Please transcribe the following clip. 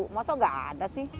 masa enggak ada sih